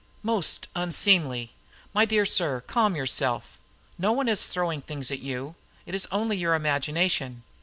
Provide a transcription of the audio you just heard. "Most unseemly! My dear sir, calm yourself. No one is throwing things at you. It is only your imagination.